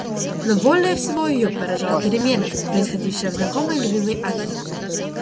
Но более всего ее поражала перемена, происшедшая в знакомой и любимой Анне.